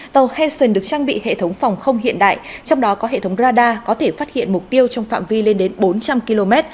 tàu hessen được trang bị hệ thống phòng không hiện đại trong đó có hệ thống radar có thể phát hiện mục tiêu trong phạm vi lên đến bốn trăm linh km